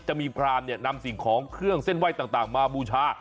จะมีพรานเนี่ยนำสิ่งของเครื่องเส้นไหว้ต่างมาบูชา